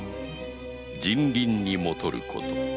「人倫にもとること」